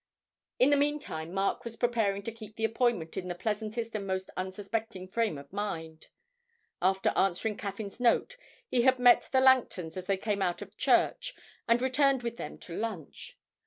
In the meantime Mark was preparing to keep the appointment in the pleasantest and most unsuspecting frame of mind. After answering Caffyn's note he had met the Langtons as they came out of church and returned with them to lunch.